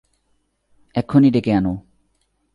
এক্ষনি ডেকে আনো।